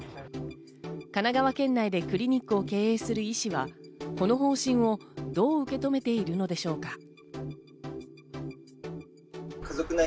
神奈川県内でクリニックを経営する医師はこの方針をどう受け止めているのでしょうか？